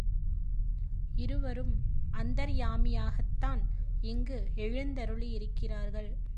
இருவரும் அந்தர்யாமியாகத்தான் இங்கு எழுந்தருளியிருக்கிறார்கள்.